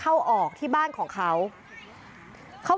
เลิกเลิกเลิกเลิกเลิก